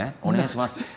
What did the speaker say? お願いします。